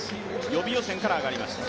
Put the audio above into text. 予備予選から上がりました。